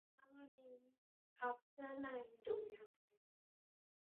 ทั้งนี้ คัพเสื้อใน ดูยังไง